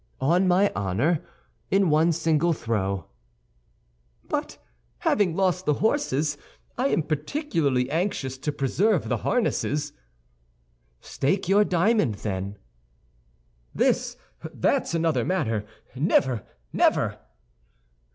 "On my honor, in one single throw." "But having lost the horses, I am particularly anxious to preserve the harnesses." "Stake your diamond, then." "This? That's another matter. Never, never!"